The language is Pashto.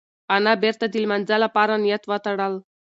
انا بېرته د لمانځه لپاره نیت وتړل.